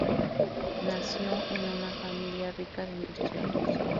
Nació en una familia rica de industriales.